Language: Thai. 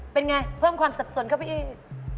เป็นไงเพิ่มความสับสนเข้าไปอีก